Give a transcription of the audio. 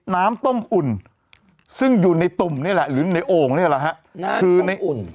น้ำต้มอุ่นซึ่งอยู่ในตุ่มนี่แหละหรือในโอ่งนี่แหละฮะคือในอุ่น